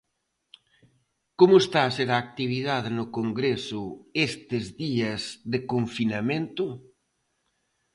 Como está ser a actividade no Congreso estes días de confinamento?